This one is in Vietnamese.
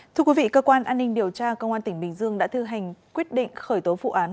thưa quý vị cơ quan an ninh điều tra công an tỉnh bình dương đã thư hành quyết định khởi tố vụ án